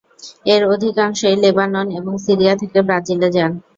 এর অধিকাংশই লেবানন এবং সিরিয়া থেকে ব্রাজিলে যান।